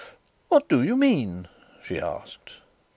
"What do you mean?" she asked.